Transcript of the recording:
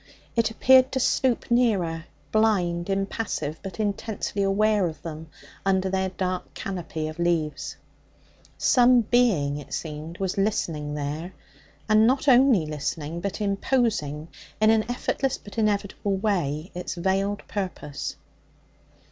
It appeared to stoop nearer, blind, impassive, but intensely aware of them under their dark canopy of leaves. Some Being, it seemed, was listening there, and not only listening, but imposing in an effortless but inevitable way its veiled purpose.